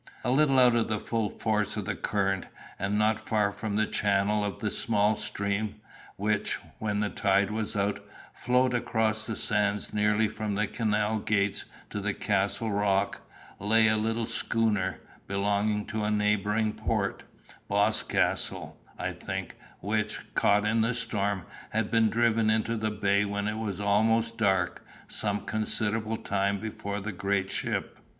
A little out of the full force of the current, and not far from the channel of the small stream, which, when the tide was out, flowed across the sands nearly from the canal gates to the Castle rock, lay a little schooner, belonging to a neighbouring port, Boscastle, I think, which, caught in the storm, had been driven into the bay when it was almost dark, some considerable time before the great ship.